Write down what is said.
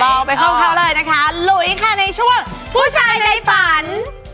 ไปห้องเขาเลยนะคะหลุยค่ะในช่วงผู้ชายในฝัน